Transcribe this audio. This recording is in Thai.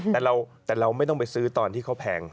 แต่เราไม่ต้องไปซื้อตอนที่เขาแพง